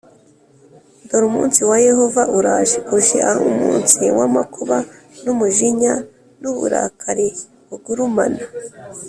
Dore umunsi wa Yehova uraje uje ari umunsi w amakuba n umujinya n uburakari bugurumana